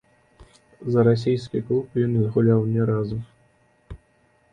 За расійскі клуб ён не згуляў ні разу.